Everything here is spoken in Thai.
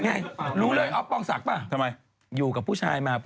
มันน่ากินมาก